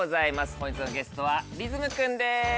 本日のゲストはリズム君です。